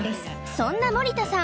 そんな盛田さん